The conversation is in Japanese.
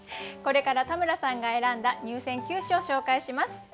これから田村さんが選んだ入選九首を紹介します。